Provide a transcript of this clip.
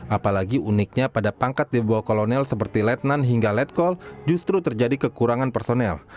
apalagi uniknya pada pangkat di bawah kolonel seperti letnan hingga letkol justru terjadi kekurangan personel